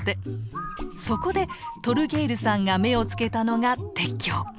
そこでトルゲイルさんが目を付けたのが鉄橋。